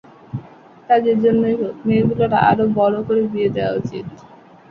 তা যেজন্যই হোক, মেয়েগুলোর আরও বড় করে বিয়ে দেওয়া উচিত।